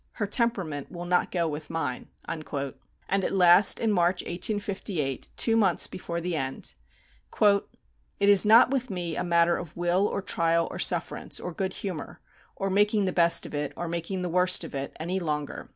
Her temperament will not go with mine." And at last, in March, 1858, two months before the end: "It is not with me a matter of will, or trial, or sufferance, or good humour, or making the best of it, or making the worst of it, any longer.